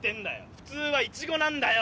普通はイチゴなんだよ！